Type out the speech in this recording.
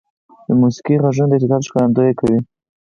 • د موسیقۍ ږغونه د احساساتو ښکارندویي کوي.